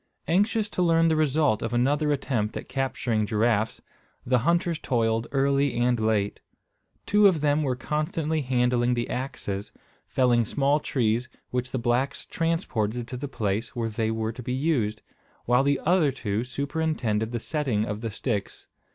Anxious to learn the result of another attempt at capturing giraffes, the hunters toiled early and late. Two of them were constantly handling the axes, felling small trees, which the blacks transported to the place where they were to be used, while the other two superintended the setting of the sticks.